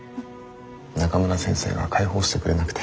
中村先生が解放してくれなくて。